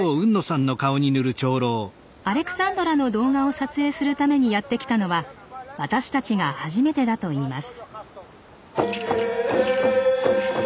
アレクサンドラの動画を撮影するためにやって来たのは私たちが初めてだといいます。